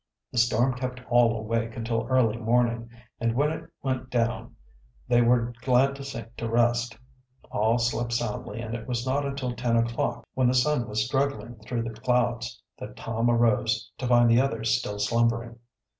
The storm kept all awake until early morning and when it went down they were glad to sink to rest. All slept soundly and it was not until ten o'clock, when the sun was struggling through the clouds, that Tom arose, to find the others still slumbering.